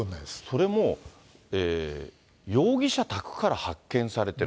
それも容疑者宅から発見されてる。